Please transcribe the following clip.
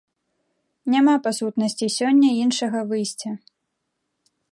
Няма па сутнасці сёння іншага выйсця.